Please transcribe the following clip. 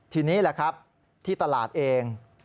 ทีนี้แหละครับที่ตลาดเอง